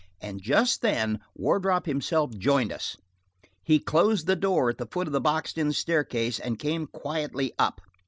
And just then Wardrop himself joined us. He closed the door at the foot of the boxed in staircase, and came quietly up.